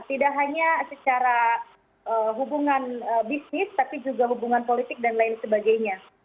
tidak hanya secara hubungan bisnis tapi juga hubungan politik dan lain sebagainya